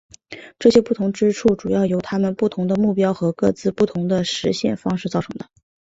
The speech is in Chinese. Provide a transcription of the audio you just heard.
这些不同之处主要是由他们不同的目标和各自不同的实现方式造成的。